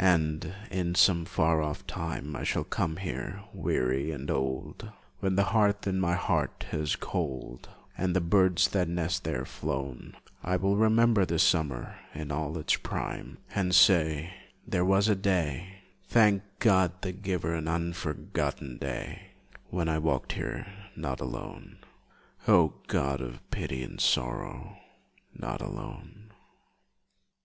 And, in some far off time, I shall come here, weary and old, When the hearth in my heart is cold And the birds that nest there flown; I will remember this summer in all its prime And say, "There was a day Thank God, the Giver, an unforgotten day, When I walked here, not alone, O God of pity and sorrow, not alone!"